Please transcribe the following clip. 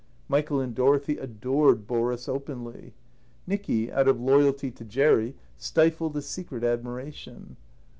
Michael and Dorothy adored Boris openly. Nicky, out of loyalty to Jerry, stifled a secret admiration.